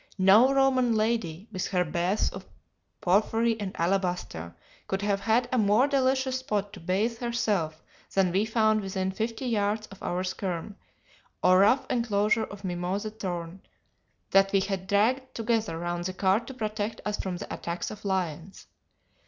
No Roman lady, with her baths of porphyry or alabaster, could have had a more delicious spot to bathe herself than we found within fifty yards of our skerm, or rough inclosure of mimosa thorn, that we had dragged together round the cart to protect us from the attacks of lions.